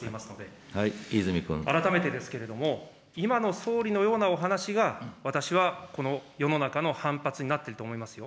改めてですけれども、今の総理のようなお話が、私はこの世の中の反発になっていると思いますよ。